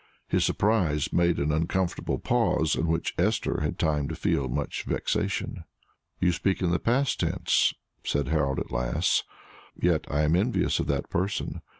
His surprise made an uncomfortable pause, in which Esther had time to feel much vexation. "You speak in the past tense," said Harold, at last; "yet I am rather envious of that person.